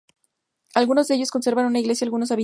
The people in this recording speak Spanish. Algunos de ellos conservan una iglesia y algunos habitantes.